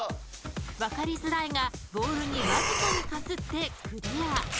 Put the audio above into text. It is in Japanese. ［分かりづらいがボールにわずかにかすってクリア］